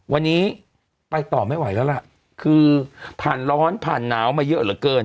วันนี้ไปต่อไม่ไหวแล้วล่ะคือผ่านร้อนผ่านหนาวมาเยอะเหลือเกิน